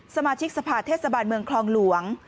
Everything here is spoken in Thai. สมาชิกสภาเทศบาลเมืองคลองหลวง